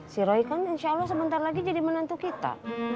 si roy kan insya allah sebentar lagi jadi menantu kita